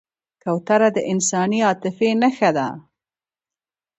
کوتره د انساني عاطفې نښه ده.